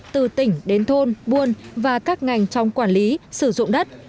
từ tỉnh đến thôn buôn và các ngành trong quản lý sử dụng đất